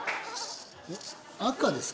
赤ですか。